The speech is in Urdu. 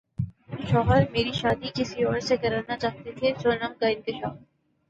شوہر میری شادی کسی اور سے کرانا چاہتے تھے سونم کا انکشاف